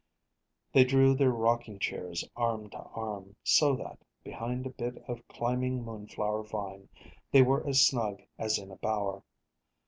They drew their rocking chairs arm to arm, so that, behind a bit of climbing moonflower vine, they were as snug as in a bower.